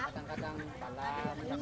jual lagi di lulut jua